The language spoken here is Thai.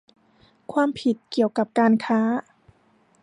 ความผิดเกี่ยวกับการค้า